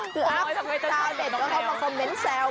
คืออัพชาวเน็ตก็เข้ามาคอมเมนต์แซว